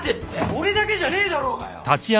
俺だけじゃねえだろうがよ！